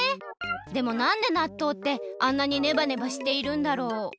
でもなんでなっとうってあんなにネバネバしているんだろう？